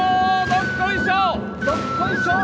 どっこいしょー